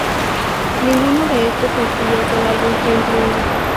Ninguno de estos sencillos del álbum fue incluido.